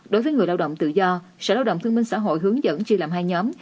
đối với người lao động tự do sở lao động thương minh xã hội hướng dẫn chia làm hai nhóm